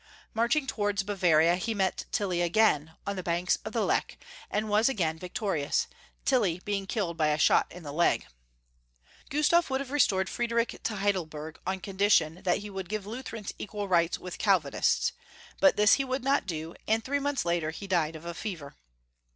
March ing towards Bavaria, he met Tilly again, on the banks of the Lech, and was again victorious, Tilly being killed by a shot in the leg. Gustaf would have restored Friedrich to Heidelberg on condition that he would give Lutherans equal rights with Calvinists, but tliis he would not do, and three months later he died of a fever.